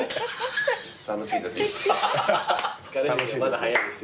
「楽しいです」